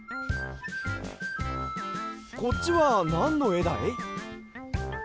こっちはなんのえだい？